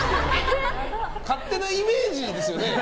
勝手なイメージですよね？